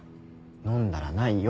飲んだらないよ。